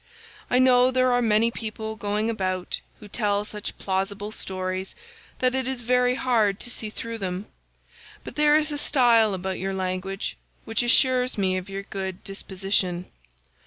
I know there are many people going about who tell such plausible stories that it is very hard to see through them, but there is a style about your language which assures me of your good disposition.